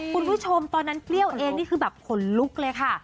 คุณผู้ชมตอนนั้นเปรี้ยวเองนี่คือแบบขนลุกเลยค่ะ